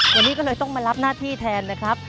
วันนี้ก็เลยต้องมารับหน้าที่แทนนะครับ